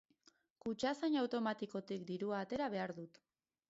Kutxazain automatikotik dirua atera behar dut.